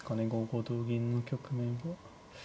５五同銀の局面は。